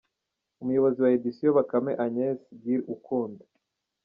Umuyobozi wa Edition Bakame Agnes Gyr Ukunda.